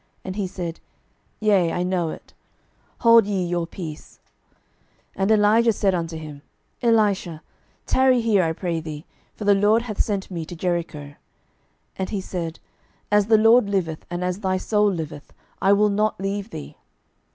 And he said, Yea, I know it; hold ye your peace. 12:002:004 And Elijah said unto him, Elisha, tarry here, I pray thee; for the LORD hath sent me to Jericho. And he said, As the LORD liveth, and as thy soul liveth, I will not leave thee.